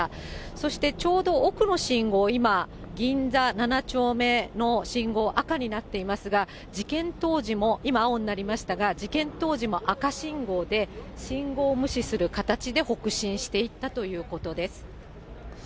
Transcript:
そしてちょうど奥の信号、今、銀座７丁目の信号、赤になっていますが、事件当時も今、青になりましたが、事件当時も赤信号で、信号無視する形で北進していったということです。